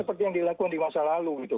seperti yang dilakukan di masa lalu gitu